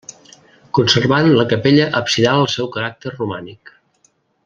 Conservant la capella absidal el seu caràcter romànic.